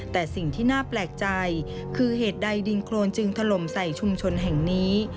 แต่สิ่งที่น่าแปลกใจคือเหตุใดดินโครนจึงถล่มใส่ชุมชนแห่งนี้